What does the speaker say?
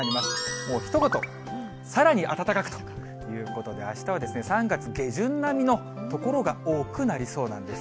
もうひと言、さらに暖かくということで、あしたは３月下旬並みの所が多くなりそうなんです。